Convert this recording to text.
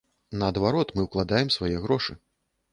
Наадварот, мы ўкладаем свае грошы.